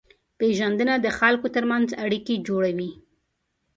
پېژندنه د خلکو ترمنځ اړیکې جوړوي.